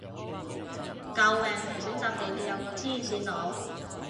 救命頭先搭地鐵有個黐線佬